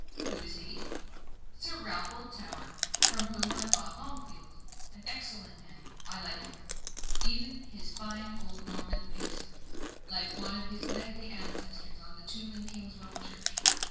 "Who is he?" "Sir Ralph Oldtower, from whom I bought Longfield. An excellent man I like him even his fine old Norman face, like one of his knightly ancestors on the tomb in Kingswell church.